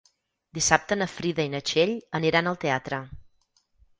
Dissabte na Frida i na Txell aniran al teatre.